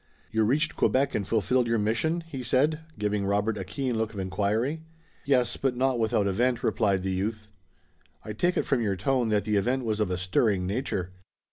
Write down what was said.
"You reached Quebec and fulfilled your mission?" he said, giving Robert a keen look of inquiry. "Yes, but not without event," replied the youth. "I take it from your tone that the event was of a stirring nature."